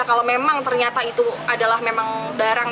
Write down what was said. kalau memang ternyata itu adalah memang barang